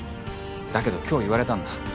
だけど今日言われたんだ。